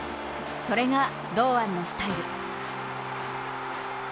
それが堂安のスタイル。